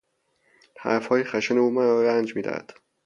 حرفهای خشن او مرا رنج میدهد.